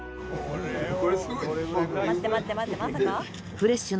待って待って待ってまさか？